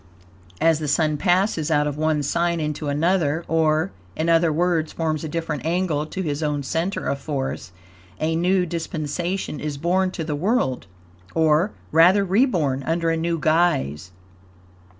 As the Sun passes out of one sign into another, or, in other words, forms a different angle to his own center of force, a new dispensation is born to the world; or, rather, re born under a new guise.